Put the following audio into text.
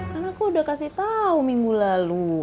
karena aku udah kasih tau minggu lalu